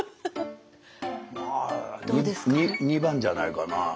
まあ２番じゃないかな。